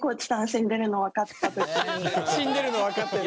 死んでるの分かってね。